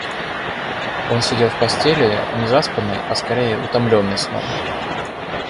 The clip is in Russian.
Он сидел в постели, не заспанный, а скорее утомленный сном.